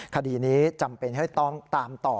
คดีนี้จำเป็นให้ต้องตามต่อ